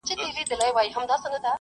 تل به تر لمني هر یوسف زلیخا نه یسي `